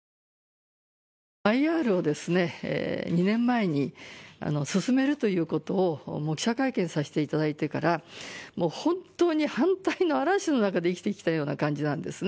ＩＲを２年前に進めるということを記者会見させていただいてからもう本当に反対の嵐の中で生きてきたような感じなんですね。